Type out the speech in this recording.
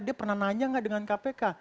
dia pernah nanya nggak dengan kpk